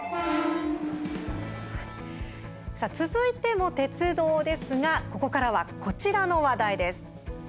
さあ、続いても鉄道ですがここからはこちらの話題です。